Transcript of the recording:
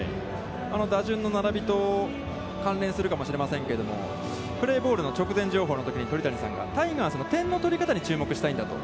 打順の並びと関連するかもしれませんけれども、プレーボールの直前情報のときに鳥谷さんが、タイガースの点の取り方に注目したいんだと。